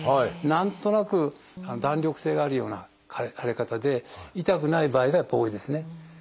何となく弾力性があるような腫れ方で痛くない場合がやっぱ多いですね。